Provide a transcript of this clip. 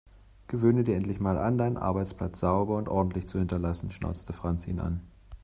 Gewöhne dir endlich mal an, deinen Arbeitsplatz sauber und ordentlich zu hinterlassen, schnauzte Franz ihn an.